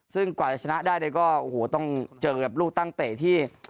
ซึ่งกว่าจะชนะได้เนี่ยก็โอ้โหต้องเจอกับลูกตั้งเตะที่